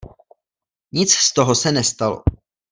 Nic z toho se nestalo.